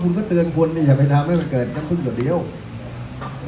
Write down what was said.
คุณกลัวว่ะคุณก็เตือนลม่อนไปทำให้มันเกิดหน้าพรุ่งเดือดเดือดเดี้ยวกัน